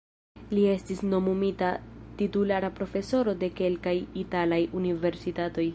Li estis nomumita titulara profesoro de kelkaj italaj universitatoj.